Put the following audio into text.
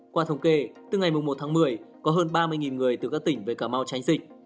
qua thống kê từ ngày một tháng một mươi có hơn ba mươi người từ các tỉnh về cà mau tránh dịch